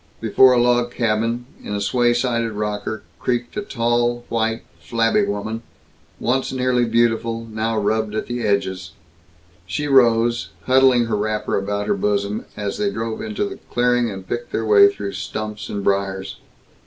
Before a log cabin, in a sway sided rocker, creaked a tall, white, flabby woman, once nearly beautiful, now rubbed at the edges. She rose, huddling her wrapper about her bosom, as they drove into the clearing and picked their way through stumps and briars.